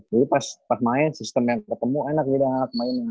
jadi pas main sistem yang ketemu enak gitu anak main